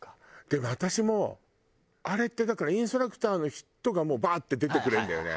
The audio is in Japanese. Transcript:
でも私もあれってだからインストラクターの人がもうバッて出てくれるんだよね？